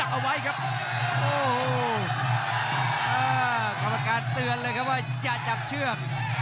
เอาไว้ครับโอ้โหอ่ากรรมการเตือนเลยครับว่าอย่าจับเชือก